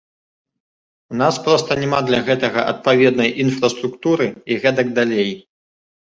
У нас проста няма для гэтага адпаведнай інфраструктуры і гэтак далей.